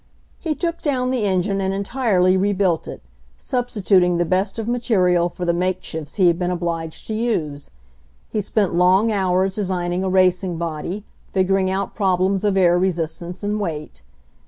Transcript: He took down the engine and entirely rebuilt it, substituting the best of material for the make shifts he had been obliged to use. He spent long hours designing a racing body, figuring out prob lems of air resistance and weight.